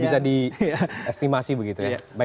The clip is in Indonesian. bisa diestimasi begitu ya